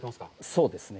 そうですね。